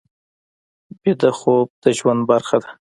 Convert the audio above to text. ویده خوب د ژوند برخه ده